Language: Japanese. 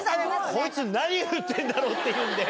こいつ、何言ってんだろうってんで。